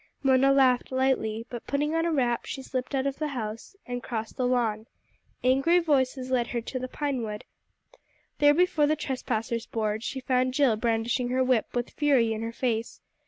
Mona laughed lightly, but putting on a wrap she slipped out of the house and crossed the lawn. Angry voices led her to the pine wood. There before the trespassers' board she found Jill brandishing her whip with fury in her face.